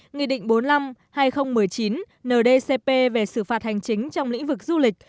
nghị định bốn mươi năm hai nghìn một mươi chín ndcp về xử phạt hành chính trong lĩnh vực du lịch